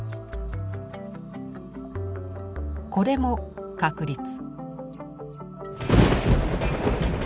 これも確率。